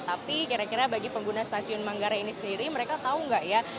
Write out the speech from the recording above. tapi kira kira bagi pengguna stasiun manggarai ini sendiri mereka tahu nggak ya